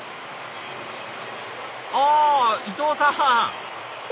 あ伊藤さん！